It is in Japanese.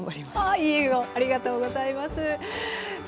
ありがとうございます。